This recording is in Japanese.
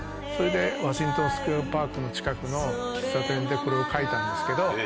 それでワシントン・スクエア・パークの近くの喫茶店でこれを書いたんですけど。